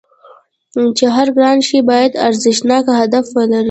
چې هر ګران شی باید یو ارزښتناک هدف ولري